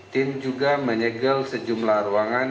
tim juga menyegel sejumlah ruangan